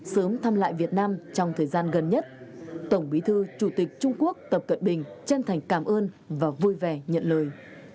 sớm thăm lại việt nam trong thời gian gần nhất tổng bí thư chủ tịch trung quốc tập cận bình chân thành cảm ơn và vui vẻ nhận lời